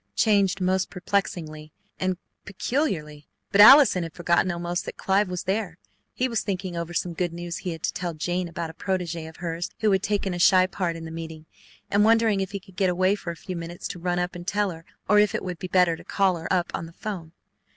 Changed most perplexingly and peculiarly. But Allison had forgotten almost that Clive was there. He was thinking over some good news he had to tell Jane about a protégé of hers who had taken a shy part in the meeting, and wondering if he could get away for a few minutes to run up and tell her or if it would be better to call her up on the 'phone.